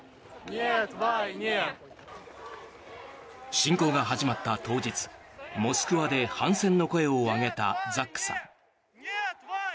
侵攻が始まった当日モスクワで反戦の声を上げたザックさん。